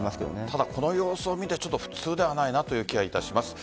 ただ、この様子を見て普通ではないなという気はいたします。